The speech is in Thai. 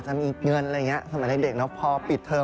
ก็จะพิถึงอะไรกันอย่างงี้